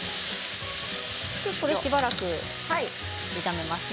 これでしばらく炒めますね。